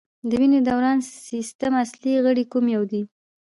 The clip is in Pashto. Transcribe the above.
د وینې دوران سیستم اصلي غړی کوم یو دی